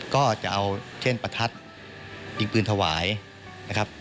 ก็จะเอาเช่นประทัดยิงปืนถวายนะครับ